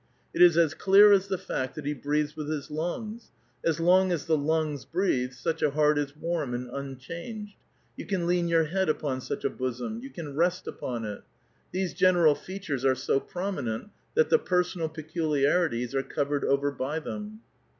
It is as clear as the fact that he breathes with his lungs ; as long as tlie lungs breathe, such a heart is warm and unchanged. You can lean your head upon such a bosom, you can rest upon it. These gen eral features are so prominent that the personal peculiarities are covered over by them.